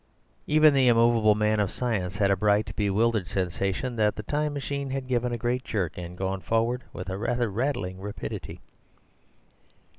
Even the immovable man of science had a bright, bewildered sensation that the Time Machine had given a great jerk, and gone forward with rather rattling rapidity.